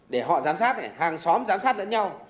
để họ giám sát hàng xóm giám sát lẫn nhau